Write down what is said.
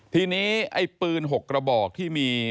ทีนี้ไอ้ปืน๖กระบอกที่มี